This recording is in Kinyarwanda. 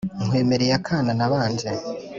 nkwemereye akana nabanje,